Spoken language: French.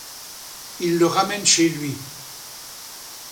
Il le ramène chez lui.